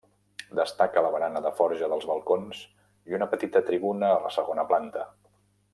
Destaca la barana de forja dels balcons i una petita tribuna a la segona planta.